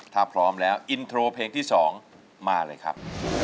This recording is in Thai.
ถ้าพร้อมแล้วอินโทรเพลงที่๒มาเลยครับ